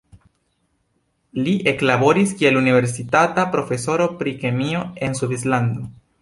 Li eklaboris kiel universitata profesoro pri kemio en Svislando.